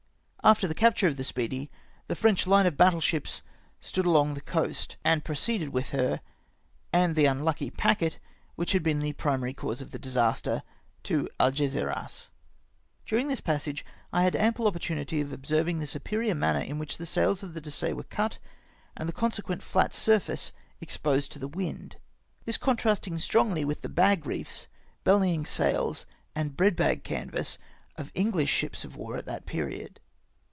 After the capture of tlie Speedy, the French hne of battle sliips stood along the coast, and proceeded with her, and the unlucky packet which had been the primary cause of the disaster, to Algesiras. Durmg this passage I had ample opportunity of observing the superior manner in which "^ the sails of the Dessaix were cut, and the consequent flat surface exposed to the wind ; this contrasting strongly with the bag reefs, bellpng sails, and breadbag canvass of Enghsh ships of war at that period.